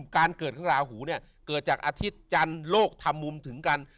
การเกิดของราหูเนี่ยเกิดจากอาทิตย์จันทร์โลกทำมุมถึงกัน